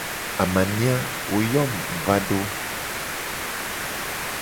Amania, wo yo mu mu va do.